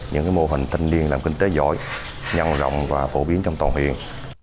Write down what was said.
những mô hình thanh niên làm kinh tế giỏi nhằm rộng và phổ biến trong tòa huyện